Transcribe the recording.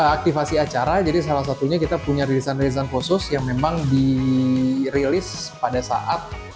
aktifasi acara jadi salah satunya kita punya rilisan rilisan khusus yang memang dirilis pada saat